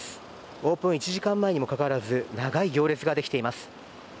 オープン１時間前にもかかわらず長い行列ができています。